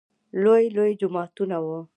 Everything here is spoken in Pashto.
لوى لوى جوماتونه وو.